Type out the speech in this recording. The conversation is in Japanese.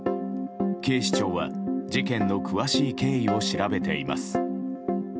警視庁は、事件の詳しい経緯を調べています。